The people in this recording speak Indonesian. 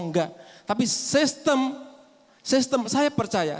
enggak tapi sistem sistem saya percaya